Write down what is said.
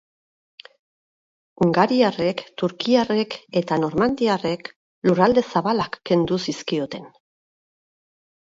Hungariarrek, turkiarrek eta normandiarrek lurralde zabalak kendu zizkioten.